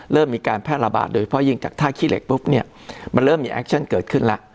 เริ่มมีการแพร่ระบาดโดยเพราะยิ่งจากท่าขี้เหล็กปุ๊บเนี่ยมันเริ่มมีแอคชั่นเกิดขึ้นแล้ว